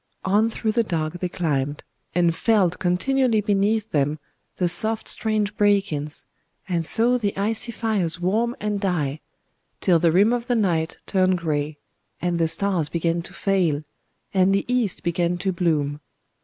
On through the dark they climbed,—and felt continually beneath them the soft strange breakings,—and saw the icy fires worm and die,—till the rim of the night turned grey, and the stars began to fail, and the east began to bloom.